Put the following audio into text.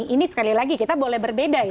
ini sekali lagi kita boleh berbeda